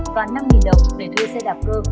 và năm đồng để thuê xe đạp cơ